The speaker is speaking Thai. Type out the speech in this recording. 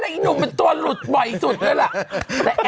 อ๋อแล้วหนุ่มเป็นตัวหลุดไหวสุดเลยแหละ